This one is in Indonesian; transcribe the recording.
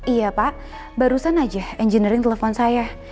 iya pak barusan aja engineering telepon saya